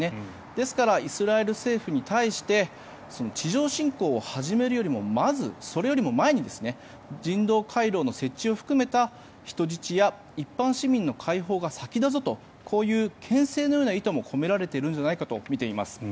ですからイスラエル政府に対して地上侵攻を始めるよりもそれよりも前に人道回廊の設置を含めた人質や一般市民の解放が先だぞとこういうけん制のような意図も込められてるんじゃないかとみています。